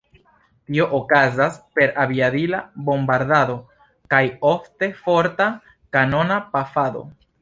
Tio okazas per aviadila bombardado kaj ofte forta kanona pafado.